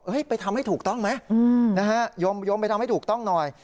ไปทำให้ถูกต้องไหมนะฮะยมไปทำให้ถูกต้องหน่อย